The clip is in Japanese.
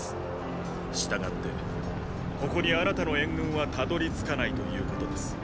したがってここにあなたの援軍はたどりつかないということです。